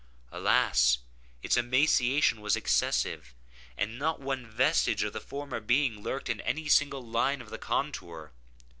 Alas! its emaciation was excessive, and not one vestige of the former being lurked in any single line of the contour.